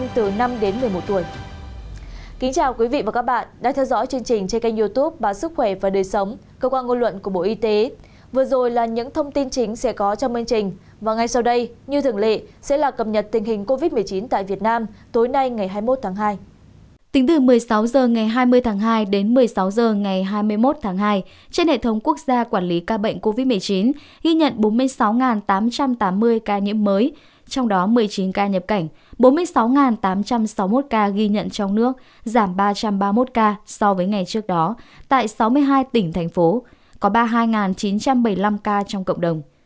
trên hệ thống quốc gia quản lý ca bệnh covid một mươi chín ghi nhận bốn mươi sáu tám trăm tám mươi ca nhiễm mới trong đó một mươi chín ca nhập cảnh bốn mươi sáu tám trăm sáu mươi một ca ghi nhận trong nước giảm ba trăm ba mươi một ca so với ngày trước đó tại sáu mươi hai tỉnh thành phố có ba mươi hai chín trăm bảy mươi năm ca trong cộng đồng